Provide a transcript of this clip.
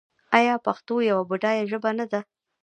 آیا پښتو یوه بډایه ژبه نه ده؟